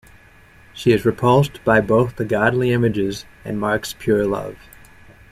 She is repulsed by both the Godly images and Marc's pure love.